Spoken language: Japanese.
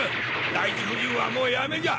第一夫人はもうやめじゃ。